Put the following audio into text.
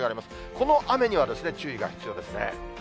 この雨には注意が必要ですね。